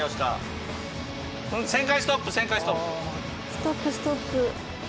ストップストップ。